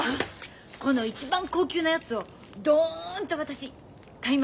この一番高級なやつをドンと私買います。